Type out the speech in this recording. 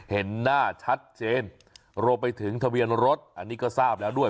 เห็นหน้าชัดเจนรวมไปถึงทะเบียนรถอันนี้ก็ทราบแล้วด้วย